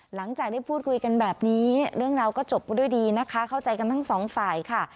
หลังจากได้พูดคุยกันแบบนี้เรื่องราวก็จบไปด้วยดีนะคะเข้าใจกันทั้งสองฝ่ายค่ะ